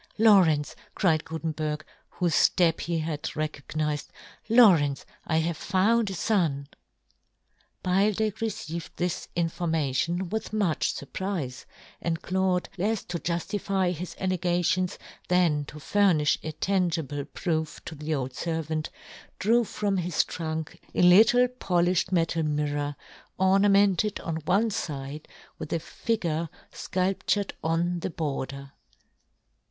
" Lawrence," cried Guten berg, whofe ftep he had recognized, " Lawrence, I have found a fon !" Beildech received this information with much furprife, and Claude, lefs to juftify his allegations than to furnifh a tangible proof to the old fervant, drew from his trunk a little polifhed metal mirror, ornamented on one fide with a figure fculptured on the border.